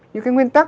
như cái nguyên tắc